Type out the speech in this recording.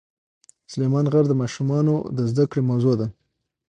سلیمان غر د ماشومانو د زده کړې موضوع ده.